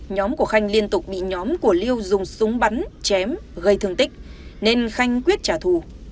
nhóm của khanh liên tục bị nhóm của lưu dùng súng bắn chém gây thương tích nên khanh quyết trả thù